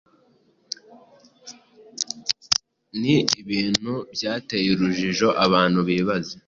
Ni ibintu byateye urujijo, abantu bibaza